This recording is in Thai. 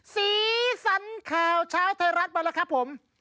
สีสันข่าวเช้าไทยรัฐมาแล้วครับผม